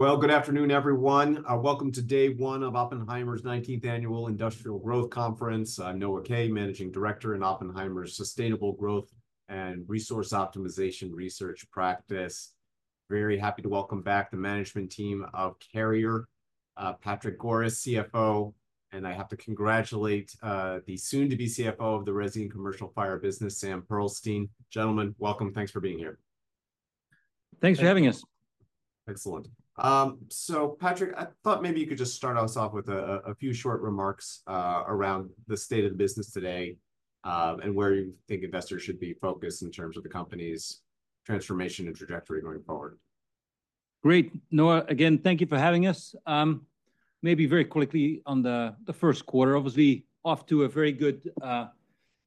Well, good afternoon, everyone. Welcome to day 1 of Oppenheimer's 19th Annual Industrial Growth Conference. I'm Noah Kaye, Managing Director in Oppenheimer's Sustainable Growth and Resource Optimization Research Practice. Very happy to welcome back the management team of Carrier, Patrick Goris, CFO, and I have to congratulate the soon-to-be CFO of the Resi and Commercial Fire business, Sam Pearlstein. Gentlemen, welcome. Thanks for being here. Thanks for having us. Excellent. So Patrick, I thought maybe you could just start us off with a few short remarks around the state of the business today, and where you think investors should be focused in terms of the company's transformation and trajectory going forward. Great! Noah, again, thank you for having us. Maybe very quickly on the first quarter, obviously, off to a very good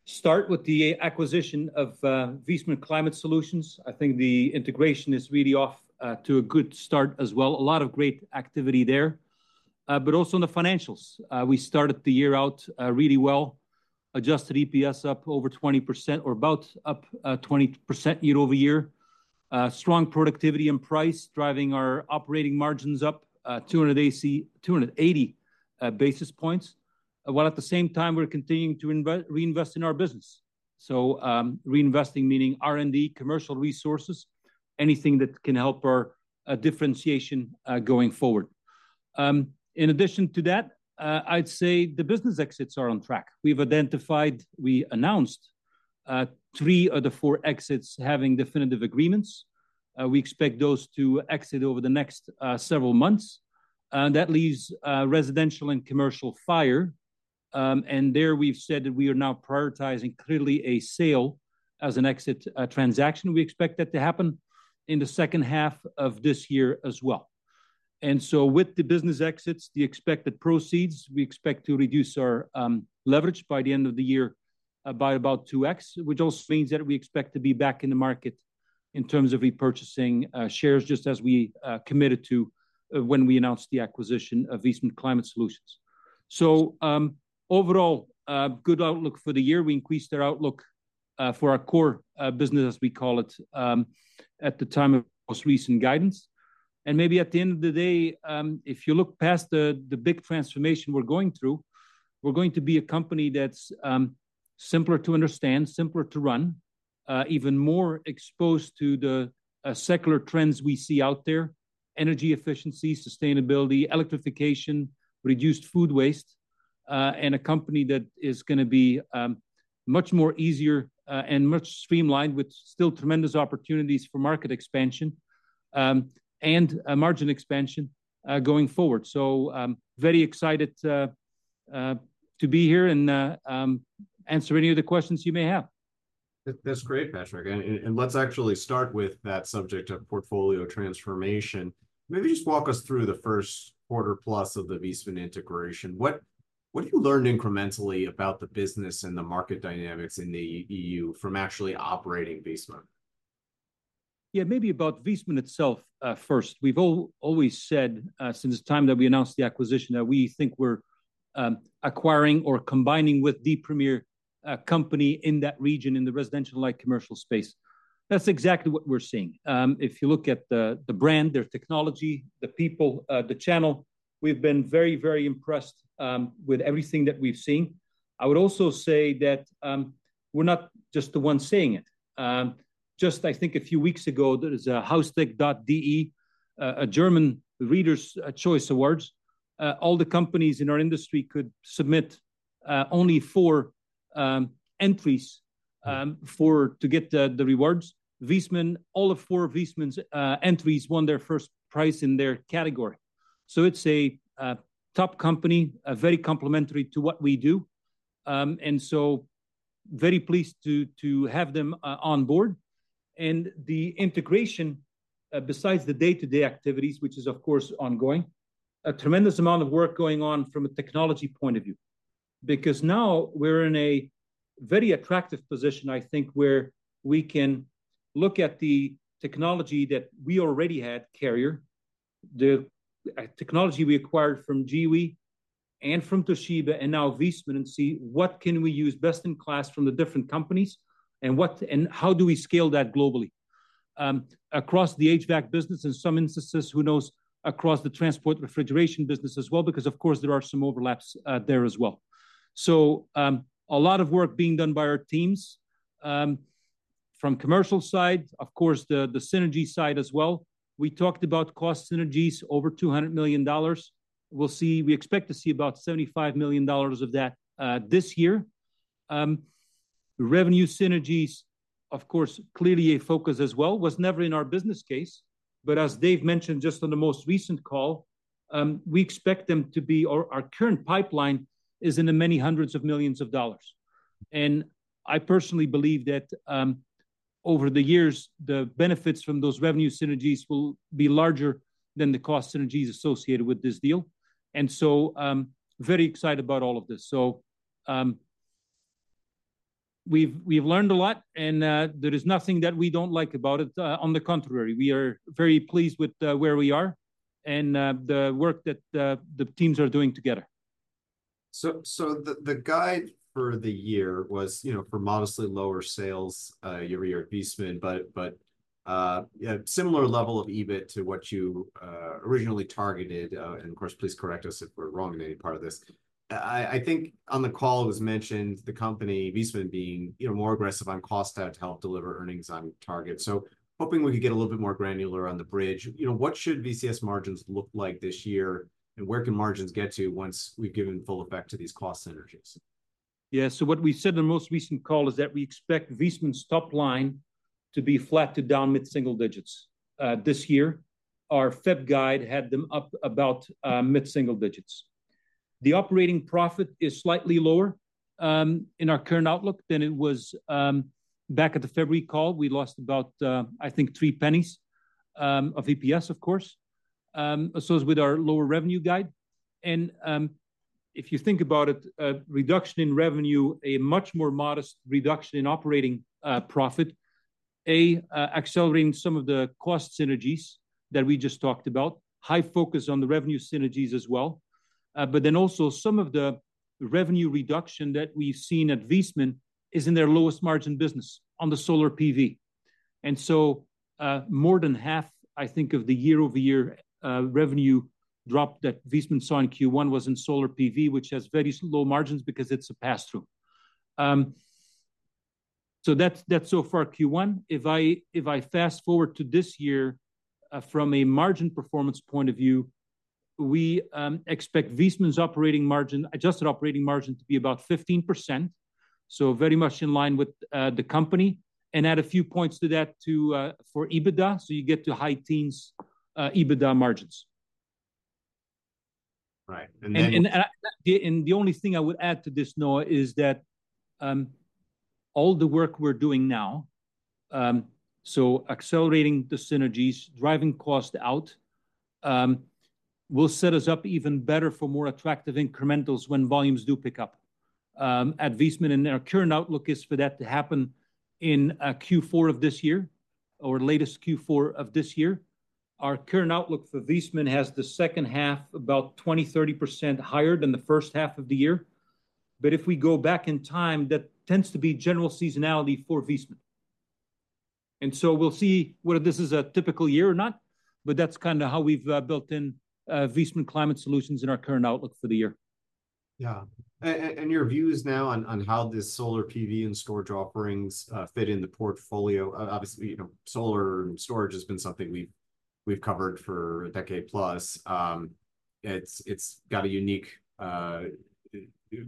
start with the acquisition of Viessmann Climate Solutions. I think the integration is really off to a good start as well. A lot of great activity there. But also in the financials. We started the year out really well. Adjusted EPS up over 20% or about up 20% year-over-year. Strong productivity and price, driving our operating margins up 280 basis points, while at the same time, we're continuing to reinvest in our business. So, reinvesting, meaning R&D, commercial resources, anything that can help our differentiation going forward. In addition to that, I'd say the business exits are on track. We announced three of the four exits having definitive agreements. We expect those to exit over the next several months. That leaves residential and commercial fire, and there we've said that we are now prioritizing clearly a sale as an exit transaction. We expect that to happen in the second half of this year as well. And so with the business exits, the expected proceeds, we expect to reduce our leverage by the end of the year by about 2x, which also means that we expect to be back in the market in terms of repurchasing shares, just as we committed to when we announced the acquisition of Viessmann Climate Solutions. So, overall, a good outlook for the year. We increased our outlook for our core business, as we call it, at the time of most recent guidance. Maybe at the end of the day, if you look past the big transformation we're going through, we're going to be a company that's simpler to understand, simpler to run, even more exposed to the secular trends we see out there: energy efficiency, sustainability, electrification, reduced food waste, and a company that is gonna be much more easier, and much streamlined, with still tremendous opportunities for market expansion, and a margin expansion, going forward. So, I'm very excited to be here and answer any of the questions you may have. That's great, Patrick. Let's actually start with that subject of portfolio transformation. Maybe just walk us through the first quarter plus of the Viessmann integration. What have you learned incrementally about the business and the market dynamics in the EU from actually operating Viessmann? Yeah, maybe about Viessmann itself, first. We've always said, since the time that we announced the acquisition, that we think we're acquiring or combining with the premier, company in that region in the residential, light commercial space. That's exactly what we're seeing. If you look at the brand, their technology, the people, the channel, we've been very, very impressed with everything that we've seen. I would also say that, we're not just the one seeing it. Just I think a few weeks ago, there was a Haustec.de, a German Reader's Choice Awards. All the companies in our industry could submit, only four entries, to get the rewards. Viessmann, all four Viessmann's entries won their first prize in their category. So it's a top company, very complementary to what we do. And so very pleased to have them on board. And the integration, besides the day-to-day activities, which is, of course, ongoing, a tremendous amount of work going on from a technology point of view, because now we're in a very attractive position, I think, where we can look at the technology that we already had, Carrier, the technology we acquired from GE and from Toshiba, and now Viessmann, and see what can we use best-in-class from the different companies, and what—and how do we scale that globally, across the HVAC business, in some instances, who knows, across the transport refrigeration business as well, because, of course, there are some overlaps, there as well. So, a lot of work being done by our teams, from commercial side, of course, the synergy side as well. We talked about cost synergies, over $200 million. We'll see. We expect to see about $75 million of that this year. Revenue synergies, of course, clearly a focus as well, was never in our business case, but as Dave mentioned, just on the most recent call, we expect them to be or our current pipeline is in the many hundreds of millions of dollars. And I personally believe that, over the years, the benefits from those revenue synergies will be larger than the cost synergies associated with this deal, and so, I'm very excited about all of this. So, we've learned a lot, and there is nothing that we don't like about it. On the contrary, we are very pleased with where we are and the work that the teams are doing together. So the guide for the year was, you know, for modestly lower sales year over year at Viessmann, but yeah, similar level of EBIT to what you originally targeted. And of course, please correct us if we're wrong in any part of this. I think on the call it was mentioned the company, Viessmann being, you know, more aggressive on cost out to help deliver earnings on target. So, hoping we could get a little bit more granular on the bridge. You know, what should VCS margins look like this year, and where can margins get to once we've given full effect to these cost synergies? Yeah. So what we said in the most recent call is that we expect Viessmann's top line to be flat to down mid-single digits. This year, our Feb guide had them up about mid-single digits. The operating profit is slightly lower in our current outlook than it was back at the February call. We lost about, I think $0.03 of EPS, of course. Associated with our lower revenue guide. And if you think about it, a reduction in revenue, a much more modest reduction in operating profit, accelerating some of the cost synergies that we just talked about. High focus on the revenue synergies as well. But then also some of the revenue reduction that we've seen at Viessmann is in their lowest margin business on the Solar PV. More than half, I think, of the year-over-year revenue drop that Viessmann saw in Q1 was in Solar PV, which has very low margins because it's a pass-through. So that's, that's so far Q1. If I fast-forward to this year, from a margin performance point of view, we expect Viessmann's operating margin, adjusted operating margin, to be about 15%, so very much in line with the company, and add a few points to that to for EBITDA, so you get to high teens EBITDA margins. Right, and then. And the only thing I would add to this, Noah, is that all the work we're doing now, so accelerating the synergies, driving cost out, will set us up even better for more attractive incrementals when volumes do pick up at Viessmann. And our current outlook is for that to happen in Q4 of this year, or latest Q4 of this year. Our current outlook for Viessmann has the second half about 20%-30% higher than the first half of the year. But if we go back in time, that tends to be general seasonality for Viessmann. And so we'll see whether this is a typical year or not, but that's kinda how we've built in Viessmann Climate Solutions in our current outlook for the year. Yeah. And your views now on, on how this solar PV and storage offerings, obviously, you know, solar storage has been something we've, we've covered for a decade plus. It's, it's got a unique,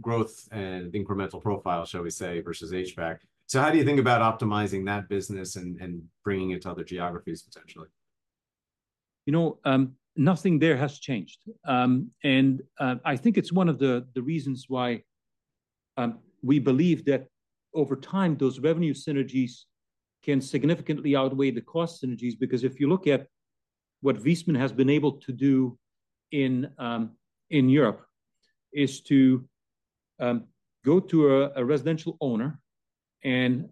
growth and incremental profile, shall we say, versus HVAC. So how do you think about optimizing that business and, and bringing it to other geographies, potentially? You know, nothing there has changed. And, I think it's one of the, the reasons why, we believe that over time, those revenue synergies can significantly outweigh the cost synergies. Because if you look at what Viessmann has been able to do in, in Europe, is to, go to a, a residential owner and,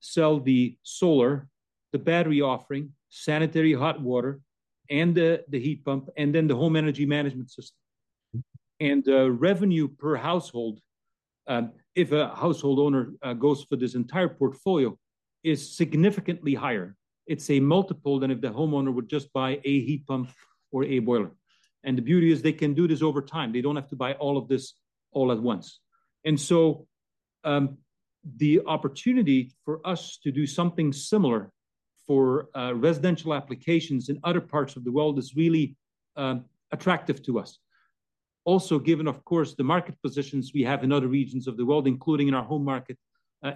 sell the solar, the battery offering, sanitary hot water, and the, the heat pump, and then the home energy management system. And the revenue per household, if a household owner, goes for this entire portfolio, is significantly higher. It's a multiple than if the homeowner would just buy a heat pump or a boiler. And the beauty is they can do this over time. They don't have to buy all of this all at once. And so, the opportunity for us to do something similar for, residential applications in other parts of the world is really, attractive to us. Also, given, of course, the market positions we have in other regions of the world, including in our home market,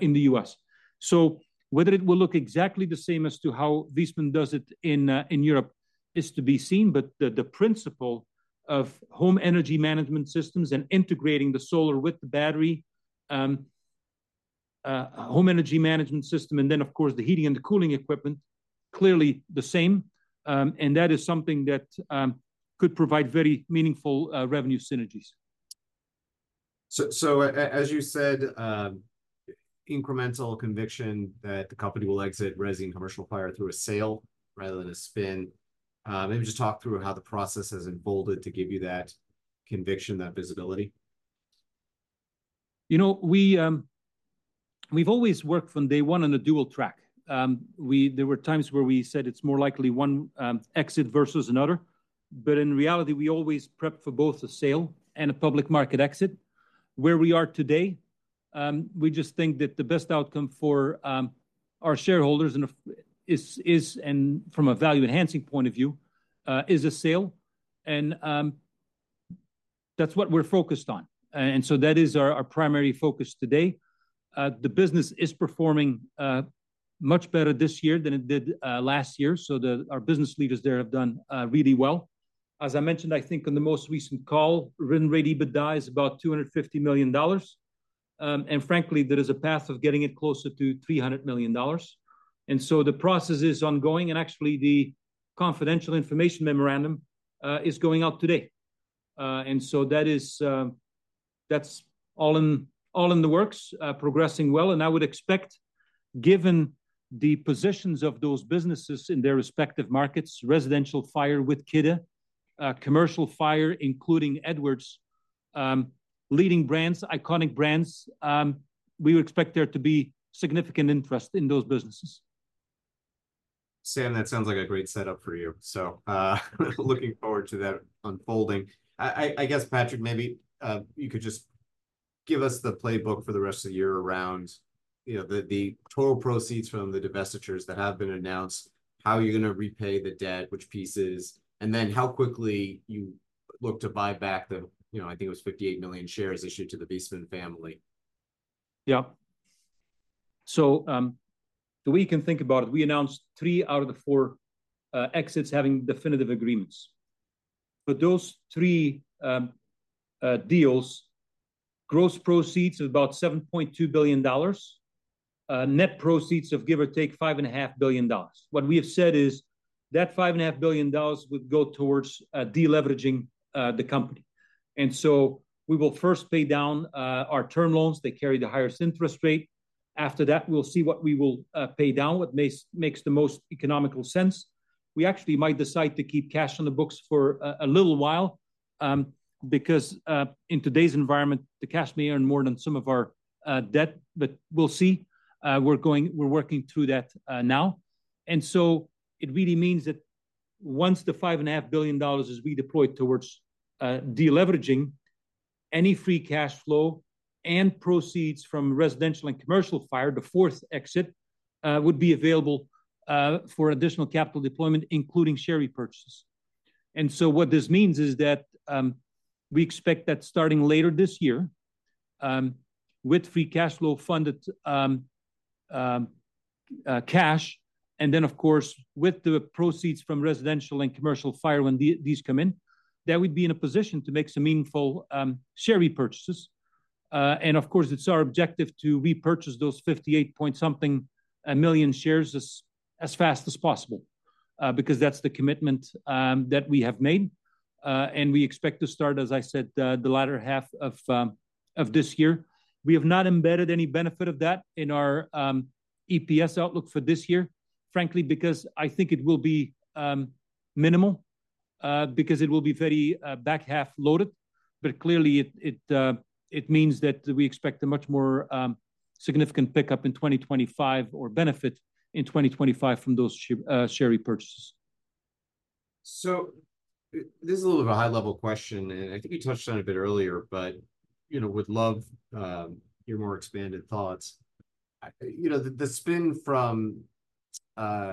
in the U.S., So whether it will look exactly the same as to how Viessmann does it in, in Europe is to be seen, but the, the principle of home energy management systems and integrating the solar with the battery, home energy management system, and then, of course, the heating and the cooling equipment, clearly the same. And that is something that, could provide very meaningful, revenue synergies. So, as you said, incremental conviction that the company will exit resi and commercial fire through a sale rather than a spin. Maybe just talk through how the process has unfolded to give you that conviction, that visibility. You know, we've always worked from day one on a dual track. There were times where we said it's more likely one exit versus another, but in reality, we always prep for both a sale and a public market exit. Where we are today, we just think that the best outcome for our shareholders and is and from a value-enhancing point of view is a sale, and that's what we're focused on. And so that is our primary focus today. The business is performing much better this year than it did last year, so our business leaders there have done really well. As I mentioned, I think on the most recent call, run rate EBITDA is about $250 million. And frankly, there is a path of getting it closer to $300 million. And so the process is ongoing, and actually, the confidential information memorandum is going out today. And so that is. That's all in, all in the works, progressing well, and I would expect, given the positions of those businesses in their respective markets, residential fire with Kidde, commercial fire, including Edwards, leading brands, iconic brands, we would expect there to be significant interest in those businesses. Sam, that sounds like a great setup for you. So, looking forward to that unfolding. I guess, Patrick, maybe you could just give us the playbook for the rest of the year around, you know, the total proceeds from the divestitures that have been announced, how you're gonna repay the debt, which pieces, and then how quickly you look to buy back the, you know, I think it was 58 million shares issued to the Viessmann family. Yeah. So, the way you can think about it, we announced three out of the four exits having definitive agreements. But those three deals, gross proceeds is about $7.2 billion, net proceeds of, give or take, $5.5 billion. What we have said is that $5.5 billion would go towards de-leveraging the company. And so we will first pay down our term loans. They carry the highest interest rate. After that, we'll see what we will pay down, what makes the most economical sense. We actually might decide to keep cash on the books for a little while because in today's environment, the cash may earn more than some of our debt, but we'll see. We're working through that now. And so it really means that once the $5.5 billion is redeployed towards deleveraging, any free cash flow and proceeds from Residential and Commercial Fire, the fire exit, would be available for additional capital deployment, including share repurchases. And so what this means is that we expect that starting later this year, with free cash flow-funded cash, and then, of course, with the proceeds from Residential and Commercial Fire when these come in, that we'd be in a position to make some meaningful share repurchases. And of course, it's our objective to repurchase those 58-point-something million shares as fast as possible because that's the commitment that we have made. And we expect to start, as I said, the latter half of this year. We have not embedded any benefit of that in our EPS outlook for this year, frankly, because I think it will be minimal, because it will be very back-half loaded. But clearly, it means that we expect a much more significant pickup in 2025, or benefit in 2025 from those share repurchases. So this is a little of a high-level question, and I think you touched on it a bit earlier, but, you know, would love, your more expanded thoughts. You know, the, the spin from,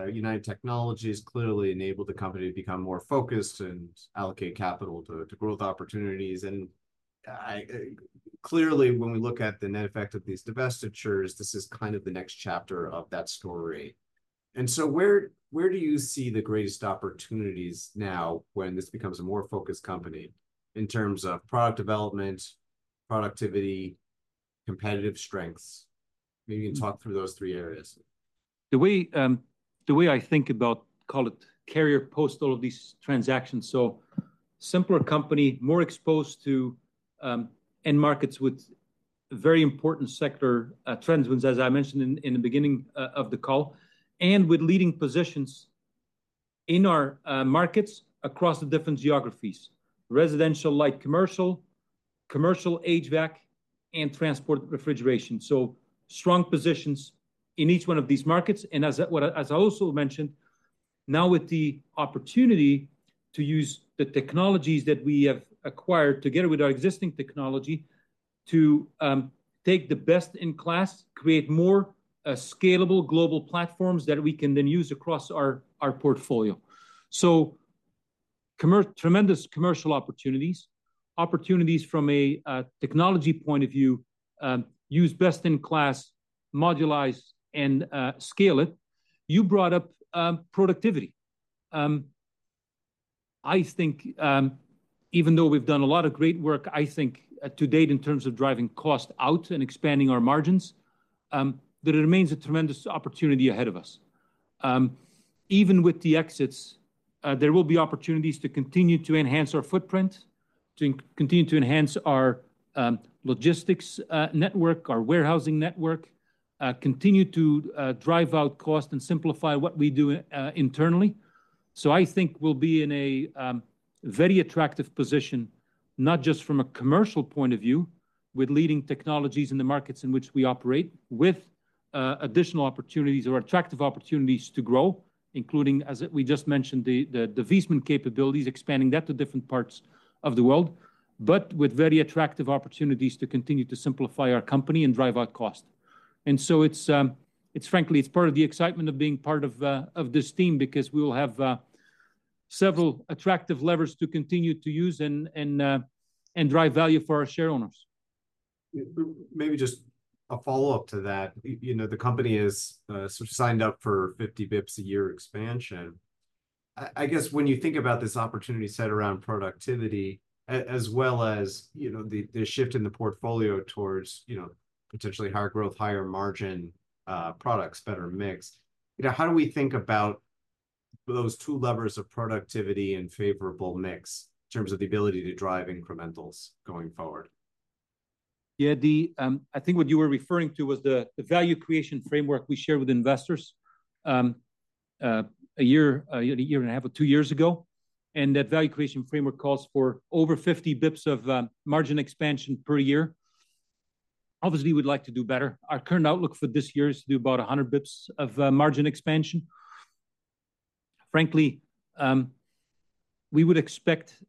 United Technologies clearly enabled the company to become more focused and allocate capital to, to growth opportunities. Clearly, when we look at the net effect of these divestitures, this is kind of the next chapter of that story. And so where, where do you see the greatest opportunities now, when this becomes a more focused company, in terms of product development, productivity, competitive strengths? Maybe you can talk through those three areas. The way I think about Carrier post all of these transactions, so simpler company, more exposed to end markets with very important sector trends, ones as I mentioned in the beginning of the call, and with leading positions in our markets across the different geographies: Residential, Light Commercial, Commercial HVAC, and Transport Refrigeration. So strong positions in each one of these markets, and as I also mentioned, now with the opportunity to use the technologies that we have acquired, together with our existing technology, to take the best-in-class, create more scalable global platforms that we can then use across our portfolio. So tremendous commercial opportunities, opportunities from a technology point of view, use best-in-class, modularize, and scale it. You brought up productivity. I think, even though we've done a lot of great work, I think, to date, in terms of driving cost out and expanding our margins, there remains a tremendous opportunity ahead of us. Even with the exits, there will be opportunities to continue to enhance our footprint, to continue to enhance our logistics network, our warehousing network, continue to drive out cost and simplify what we do internally. So I think we'll be in a very attractive position, not just from a commercial point of view, with leading technologies in the markets in which we operate, with additional opportunities or attractive opportunities to grow, including, as we just mentioned, the Viessmann capabilities, expanding that to different parts of the world, but with very attractive opportunities to continue to simplify our company and drive out cost. And so it's frankly part of the excitement of being part of this team because we will have several attractive levers to continue to use and drive value for our share owners. Maybe just a follow-up to that. You know, the company is sort of signed up for 50 Bps a year expansion. I guess when you think about this opportunity set around productivity, as well as, you know, the shift in the portfolio towards, you know, potentially higher growth, higher margin, products, better mix, you know, how do we think about those two levers of productivity and favorable mix in terms of the ability to drive incrementals going forward? Yeah, Dee, I think what you were referring to was the value creation framework we shared with investors a year, a year and a half or 2 years ago. That value creation framework calls for over 50 basis points of margin expansion per year. Obviously, we'd like to do better. Our current outlook for this year is to do about 100 basis points of margin expansion. Frankly, we would expect,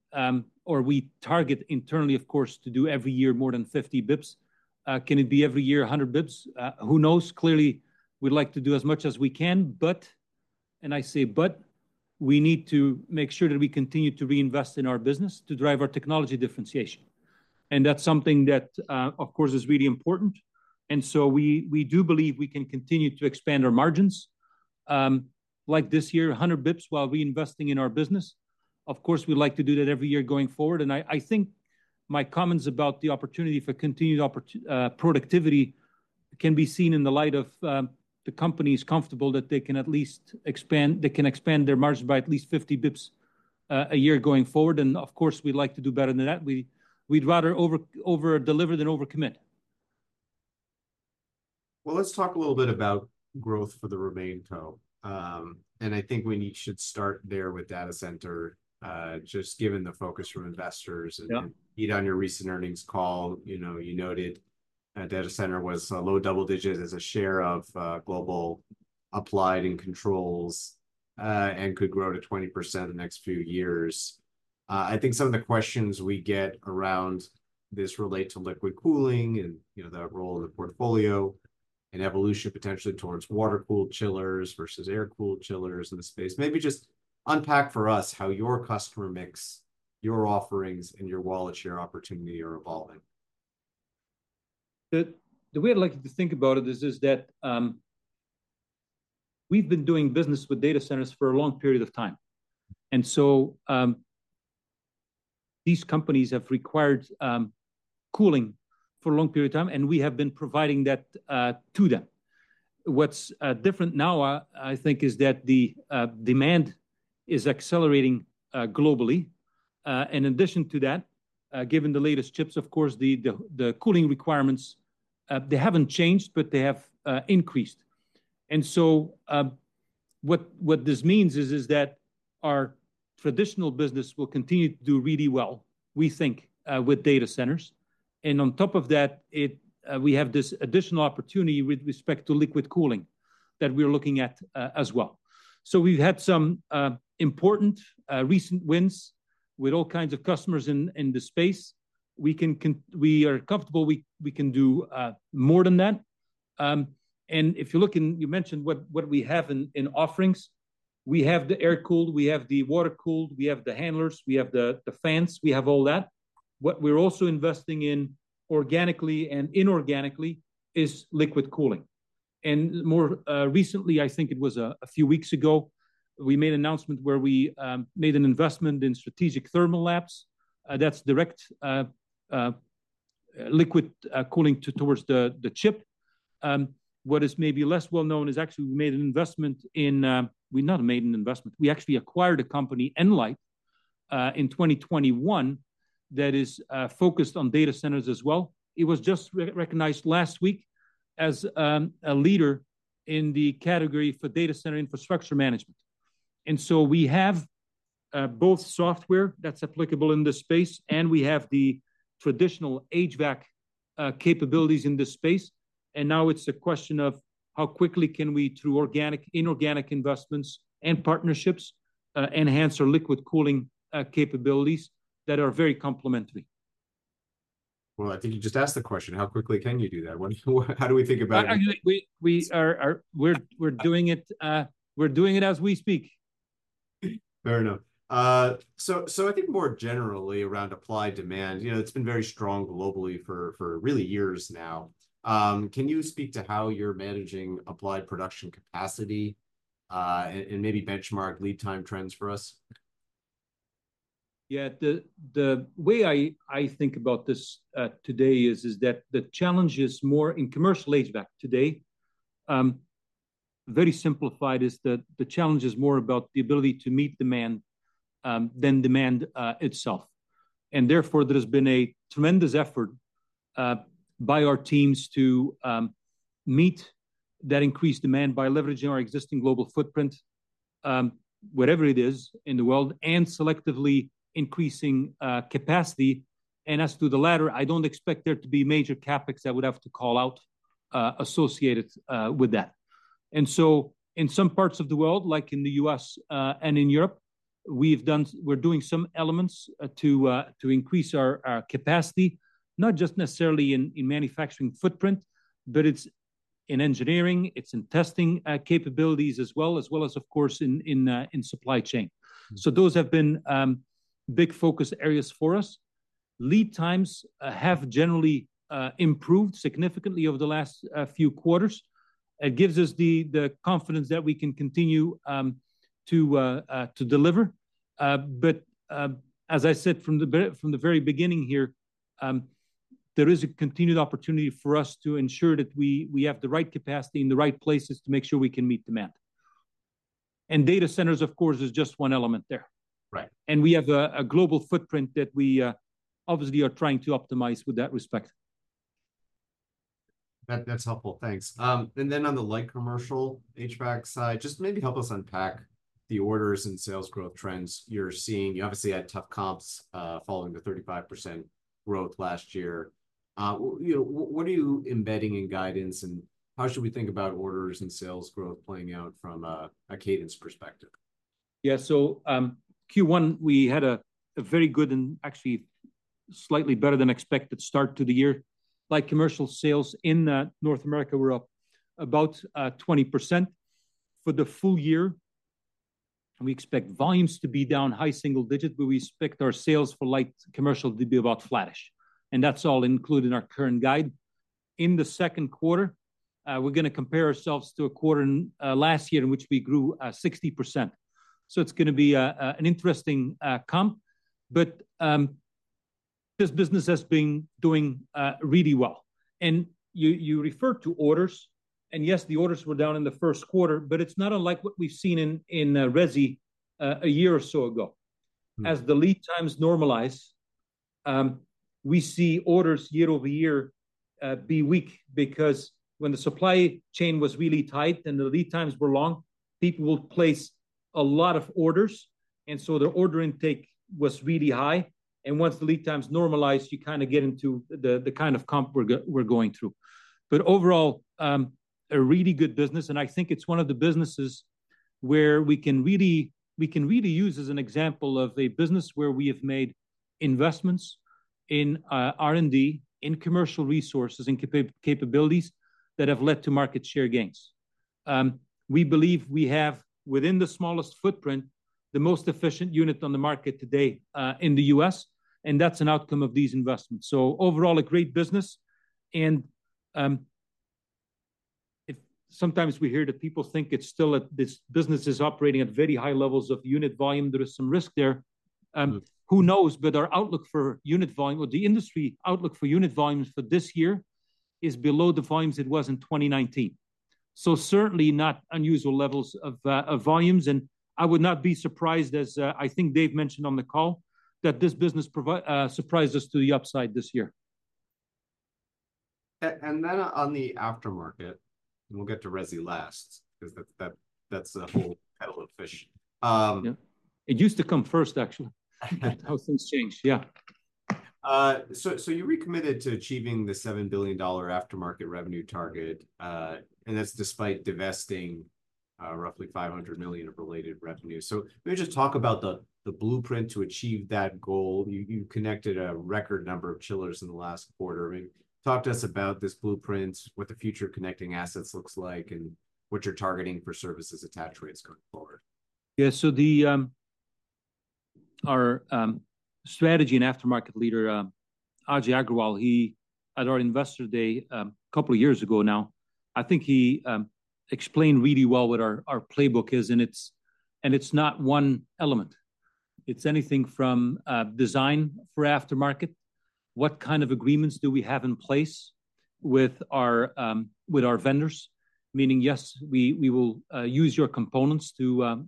or we target internally, of course, to do every year more than 50 basis points. Can it be every year, 100 basis points? Who knows? Clearly, we'd like to do as much as we can, but, and I say but, we need to make sure that we continue to reinvest in our business to drive our technology differentiation. And that's something that, of course, is really important, and so we, we do believe we can continue to expand our margins. Like this year, 100 Bps while reinvesting in our business. Of course, we'd like to do that every year going forward, and I, I think my comments about the opportunity for continued productivity can be seen in the light of, the company's comfortable that they can at least expand their margins by at least 50 Bps a year going forward, and of course, we'd like to do better than that. We, we'd rather over-deliver than overcommit. Well, let's talk a little bit about growth for the RemainCo. And I think we should start there with data center, just given the focus from investors- Yeah And on your recent earnings call, you know, you noted that data center was low double digits as a share of global Applied and Controls, and could grow to 20% the next few years. I think some of the questions we get around this relate to liquid cooling and, you know, that role in the portfolio, and evolution potentially towards water-cooled chillers versus air-cooled chillers in the space. Maybe just unpack for us how your customer mix, your offerings, and your wallet share opportunity are evolving. The way I'd like you to think about it is that we've been doing business with data centers for a long period of time. And so, these companies have required cooling for a long period of time, and we have been providing that to them. What's different now, I think, is that the demand is accelerating globally. In addition to that, given the latest chips, of course, the cooling requirements, they haven't changed, but they have increased. And so, what this means is that our traditional business will continue to do really well, we think, with data centers. And on top of that, it, we have this additional opportunity with respect to liquid cooling that we're looking at as well. So we've had some important recent wins with all kinds of customers in the space. We are comfortable we can do more than that. And if you look, you mentioned what we have in offerings. We have the air-cooled, we have the water-cooled, we have the handlers, we have the fans, we have all that. What we're also investing in, organically and inorganically, is liquid cooling. And more recently, I think it was a few weeks ago, we made an announcement where we made an investment in Strategic Thermal Labs. That's direct liquid cooling towards the chip. What is maybe less well known is actually we made an investment in... We've not made an investment, we actually acquired a company, Nlyte, in 2021, that is focused on data centers as well. It was just re-recognized last week as a leader in the category for data center infrastructure management. And so we have both software that's applicable in this space, and we have the traditional HVAC capabilities in this space. And now it's a question of how quickly can we, through organic, inorganic investments and partnerships, enhance our liquid cooling capabilities that are very complementary. Well, I think you just asked the question: how quickly can you do that? What... How do we think about it? We're doing it as we speak. Fair enough. So, so I think more generally around applied demand, you know, it's been very strong globally for, for really years now. Can you speak to how you're managing applied production capacity, and, and maybe benchmark lead time trends for us? Yeah. The way I think about this today is that the challenge is more in commercial HVAC today. Very simplified is that the challenge is more about the ability to meet demand than demand itself. And therefore, there has been a tremendous effort by our teams to meet that increased demand by leveraging our existing global footprint wherever it is in the world, and selectively increasing capacity. And as to the latter, I don't expect there to be major CapEx I would have to call out associated with that. And so in some parts of the world, like in the U.S., and in Europe, we're doing some elements to increase our capacity, not just necessarily in manufacturing footprint, but it's in engineering, it's in testing capabilities as well, as well as, of course, in supply chain. So those have been big focus areas for us. Lead times have generally improved significantly over the last few quarters. It gives us the confidence that we can continue to deliver. But as I said from the very beginning here, there is a continued opportunity for us to ensure that we have the right capacity in the right places to make sure we can meet demand. Data centers, of course, is just one element there. Right. We have a global footprint that we obviously are trying to optimize with that respect. That, that's helpful. Thanks. And then on the light commercial HVAC side, just maybe help us unpack the orders and sales growth trends you're seeing. You obviously had tough comps, following the 35% growth last year. You know, what are you embedding in guidance, and how should we think about orders and sales growth playing out from a, a cadence perspective? Yeah. So, Q1, we had a very good and actually slightly better than expected start to the year. Light commercial sales in North America were up about 20%. For the full year, we expect volumes to be down high single digits, but we expect our sales for light commercial to be about flattish, and that's all included in our current guide. In the second quarter, we're gonna compare ourselves to a quarter last year in which we grew 60%. So it's gonna be an interesting comp, but this business has been doing really well. And you referred to orders, and yes, the orders were down in the first quarter, but it's not unlike what we've seen in resi a year or so ago. Mm. As the lead times normalize, we see orders year-over-year be weak because when the supply chain was really tight and the lead times were long, people would place a lot of orders, and so their order intake was really high. Once the lead times normalize, you kind of get into the kind of comp we're going through. Overall, a really good business, and I think it's one of the businesses where we can really use as an example of a business where we have made investments in R&D, in commercial resources, in capabilities, that have led to market share gains. We believe we have, within the smallest footprint, the most efficient unit on the market today in the U.S., and that's an outcome of these investments. So overall, a great business, and if sometimes we hear that people think it's still at this, business is operating at very high levels of unit volume, there is some risk there. Mm. Who knows? But our outlook for unit volume, or the industry outlook for unit volumes for this year is below the volumes it was in 2019. So certainly not unusual levels of volumes, and I would not be surprised, as I think Dave mentioned on the call, that this business surprise us to the upside this year. and then on the aftermarket, and we'll get to resi last, 'cause that's, that, that's a whole kettle of fish. Yeah. It used to come first, actually. Yeah. So you recommitted to achieving the $7 billion aftermarket revenue target, and that's despite divesting roughly $500 million of related revenue. So maybe just talk about the blueprint to achieve that goal. You connected a record number of chillers in the last quarter. I mean, talk to us about this blueprint, what the future of connecting assets looks like, and what you're targeting for services attach rates going forward. Yeah. So our strategy and aftermarket leader, Ajay Agrawal, he at our Investor Day a couple of years ago now, I think he explained really well what our playbook is, and it's not one element. It's anything from design for aftermarket, what kind of agreements do we have in place with our vendors? Meaning, yes, we will use your components to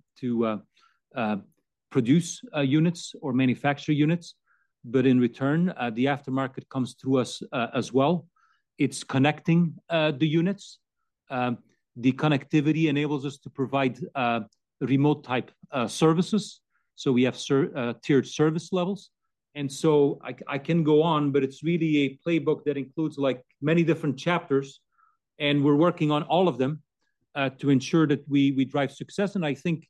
produce units or manufacture units, but in return the aftermarket comes to us as well. It's connecting the units. The connectivity enables us to provide remote-type services, so we have tiered service levels. And so I can go on, but it's really a playbook that includes, like, many different chapters, and we're working on all of them to ensure that we drive success. I think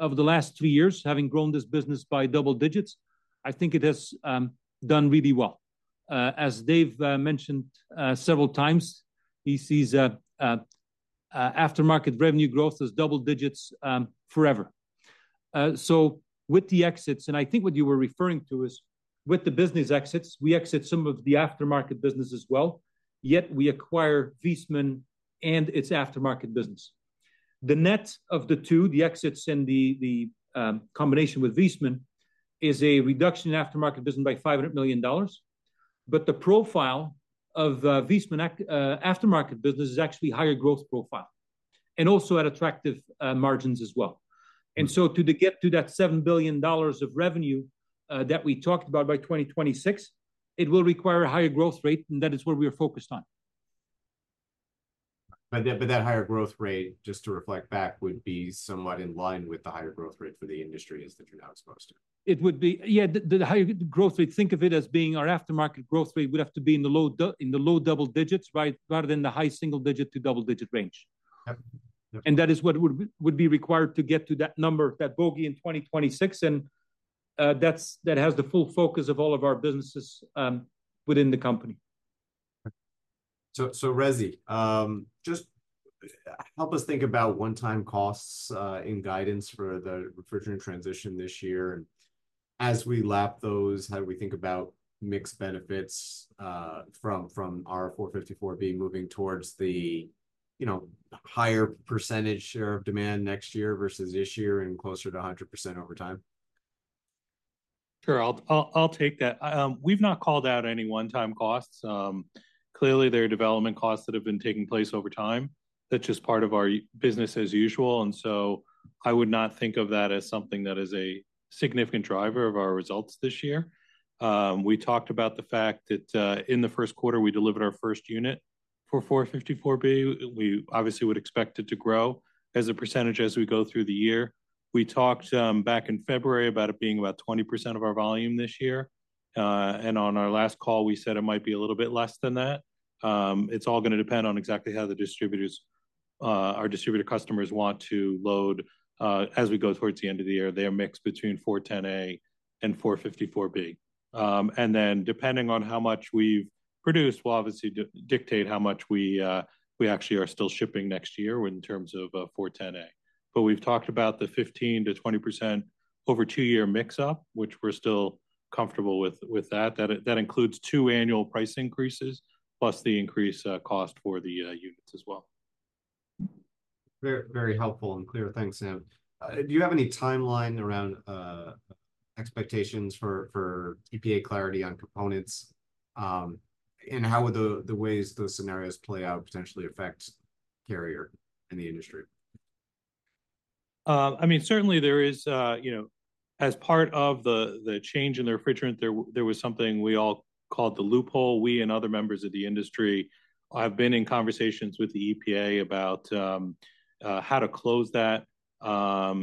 over the last three years, having grown this business by double digits, I think it has done really well. As Dave mentioned several times, he sees aftermarket revenue growth as double digits forever. So with the exits, and I think what you were referring to is with the business exits, we exit some of the aftermarket business as well, yet we acquire Viessmann and its aftermarket business. The net of the two, the exits and the combination with Viessmann, is a reduction in aftermarket business by $500 million, but the profile of Viessmann aftermarket business is actually higher growth profile, and also at attractive margins as well. Mm. So to get to that $7 billion of revenue that we talked about by 2026, it will require a higher growth rate, and that is what we are focused on. But that higher growth rate, just to reflect back, would be somewhat in line with the higher growth rate for the industry as that you're now exposed to? It would be. Yeah, the higher growth rate, think of it as being our aftermarket growth rate, would have to be in the low double digits, right, rather than the high single digit to double digit range. Okay. Yeah. That is what would be required to get to that number, that bogey in 2026, and that has the full focus of all of our businesses within the company. So, resi, just help us think about one-time costs in guidance for the refrigerant transition this year. As we lap those, how do we think about mixed benefits from our 454B moving towards the, you know, higher percentage share of demand next year versus this year and closer to 100% over time? Sure, I'll take that. We've not called out any one-time costs. Clearly, there are development costs that have been taking place over time. That's just part of our business as usual, and so I would not think of that as something that is a significant driver of our results this year. We talked about the fact that in the first quarter, we delivered our first unit for R-454B. We obviously would expect it to grow as a percentage as we go through the year. We talked back in February about it being about 20% of our volume this year. And on our last call, we said it might be a little bit less than that. It's all gonna depend on exactly how the distributors, our distributor customers want to load, as we go towards the end of the year. They are mixed between 410A and 454B. And then, depending on how much we've produced, will obviously dictate how much we we actually are still shipping next year in terms of, 410A. But we've talked about the 15%-20% over two-year mix-up, which we're still comfortable with, with that. That, that includes two annual price increases, plus the increase cost for the units as well. Very, very helpful and clear. Thanks, Sam. Do you have any timeline around expectations for EPA clarity on components? And how would the ways those scenarios play out potentially affect Carrier and the industry? I mean, certainly there is, you know, as part of the change in the refrigerant, there was something we all called the loophole. We and other members of the industry have been in conversations with the EPA about how to close that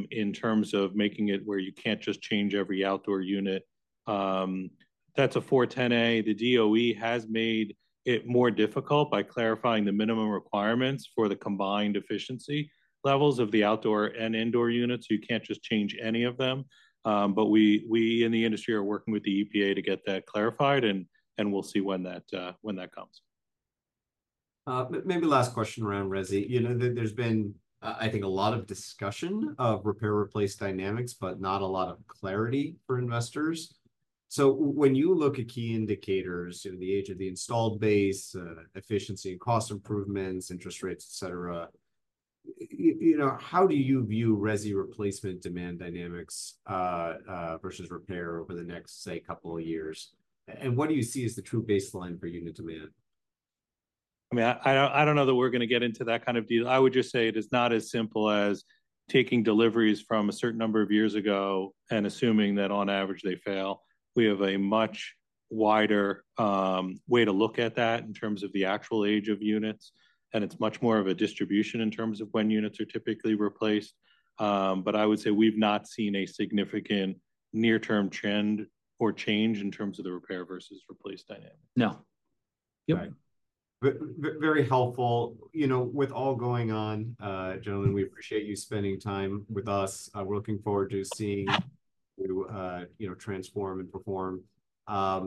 in terms of making it where you can't just change every outdoor unit that's a R-410A. The DOE has made it more difficult by clarifying the minimum requirements for the combined efficiency levels of the outdoor and indoor units, you can't just change any of them. But we in the industry are working with the EPA to get that clarified, and we'll see when that comes. Maybe last question around resi. You know, there, there's been, I think, a lot of discussion of repair/replace dynamics, but not a lot of clarity for investors. So when you look at key indicators, you know, the age of the installed base, efficiency and cost improvements, interest rates, et cetera, you know, how do you view resi replacement demand dynamics versus repair over the next, say, couple of years? And what do you see as the true baseline for unit demand? I mean, I don't know that we're gonna get into that kind of detail. I would just say it is not as simple as taking deliveries from a certain number of years ago and assuming that, on average, they fail. We have a much wider way to look at that in terms of the actual age of units, and it's much more of a distribution in terms of when units are typically replaced. But I would say we've not seen a significant near-term trend or change in terms of the repair versus replace dynamic. No. Yep. Right. Very helpful. You know, with all going on, gentlemen, we appreciate you spending time with us. We're looking forward to seeing you, you know, transform and perform.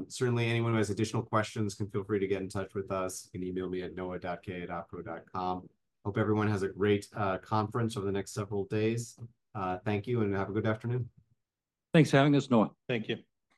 Certainly, anyone who has additional questions can feel free to get in touch with us. You can email me at noah.k@opco.com. Hope everyone has a great conference over the next several days. Thank you, and have a good afternoon. Thanks for having us, Noah. Thank you.